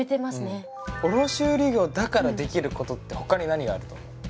卸売業だからできることってほかに何があると思う？